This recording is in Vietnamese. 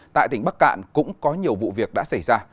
tại tỉnh bắc cạn cũng có nhiều vụ việc đã xảy ra